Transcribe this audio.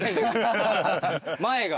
前が。